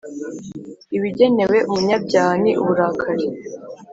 ibigenewe umunyabyaha ni uburakari